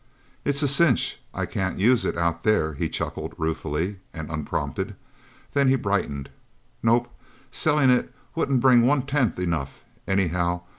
"It's a cinch I can't use it Out There," he chuckled ruefully and unprompted. Then he brightened. "Nope selling it wouldn't bring one tenth enough, anyhow.